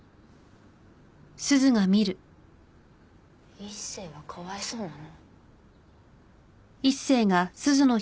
一星はかわいそうなの？